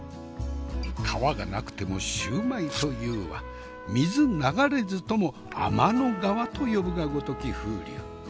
皮がなくてもシューマイと言うは水流れずとも天の川と呼ぶがごとき風流。